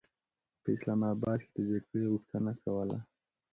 په اسلام اباد کې د جګړې غوښتنه کوله.